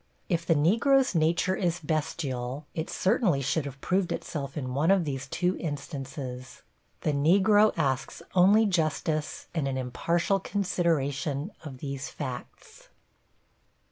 If the Negro's nature is bestial, it certainly should have proved itself in one of these two instances. The Negro asks only justice and an impartial consideration of these facts.